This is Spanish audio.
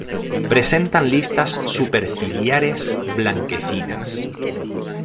Presentan listas superciliares blanquecinas.